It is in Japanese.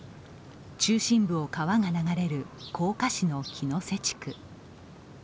中心部を川が流れる甲賀市の黄瀬地区。